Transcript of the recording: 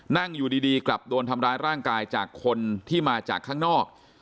นั่งอยู่ดีกลับโดนทำร้ายร่างกายจากคนที่มาจากข้างนอก